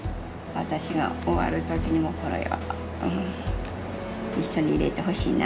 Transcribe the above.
私が終わる時にもこれは一緒に入れてほしいなと。